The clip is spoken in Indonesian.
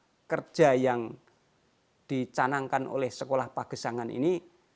dengan pola kerja yang dicanangkan oleh sekolah pagesangan ini